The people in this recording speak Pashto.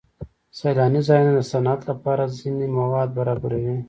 سیلاني ځایونه د صنعت لپاره ځینې مواد برابروي.